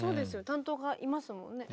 担当がいますもんね。